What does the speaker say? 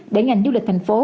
để ngành du lịch thành phố